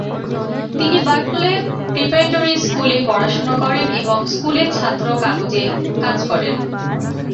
তিনি Berkeley preparatory স্কুলে পড়াশোনা করেন এবং স্কুলের ছাত্র কাগজে কাজ করেন।